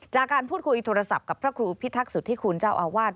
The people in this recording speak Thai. จากการพูดคุยโทรศัพท์กับพระครูพิทักษุธิคุณเจ้าอาวาส